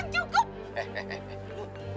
cukup bang cukup